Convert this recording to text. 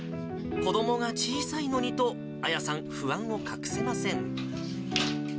子どもが小さいのにと、亜矢さん、不安を隠せません。